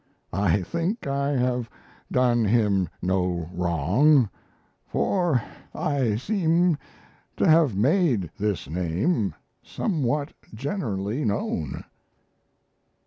I think I have done him no wrong, for I seem to have made this name somewhat generally known."